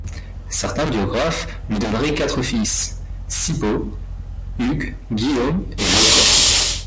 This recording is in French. Certains biographes lui donneraient quatre fils, Sibaud, Hugues, Guillaum et Geoffrey.